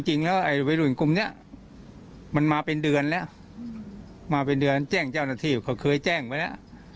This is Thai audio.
จริงแล้วไว้รุ่นกลุ่มเนี้ยมันมาเป็นเดือนละมาเป็นเดือนแจ้งเจ้านที่เค้าเคยแจ้งไว้แล